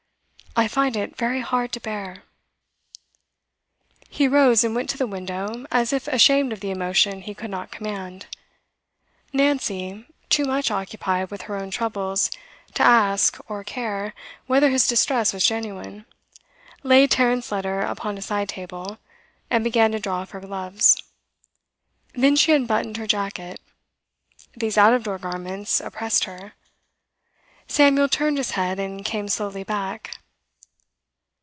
I find it very hard to bear.' He rose and went to the window, as if ashamed of the emotion he could not command. Nancy, too much occupied with her own troubles to ask or care whether his distress was genuine, laid Tarrant's letter upon a side table, and began to draw off her gloves. Then she unbuttoned her jacket. These out of door garments oppressed her. Samuel turned his head and came slowly back.